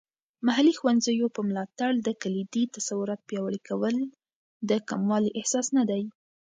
محلي ښوونځیو په ملاتړ د کلیدي تصورات پیاوړي کول د کموالی احساس نه دی.